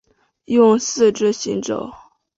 用四肢行走。